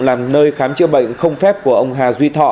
làm nơi khám chữa bệnh không phép của ông hà duy thọ